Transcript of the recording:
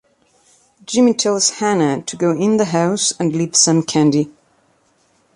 Jimmy tells Hannah to go in the house and leave some candy.